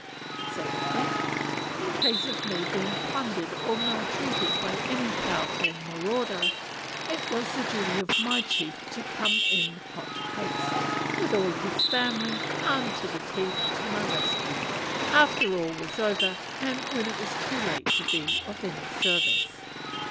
Secondly. In case of me being plundered or maltreated by any powerful marauder, it was the duty of my chief to come in hot haste, with all his family, armed to the teeth, to my rescue after all was over, and when it was too late to be of any service.